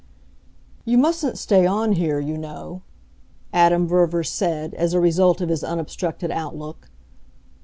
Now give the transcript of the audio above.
"You mustn't stay on here, you know," Adam Verver said as a result of his unobstructed outlook.